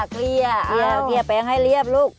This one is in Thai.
เคลียร์แปลงให้เรียบลูก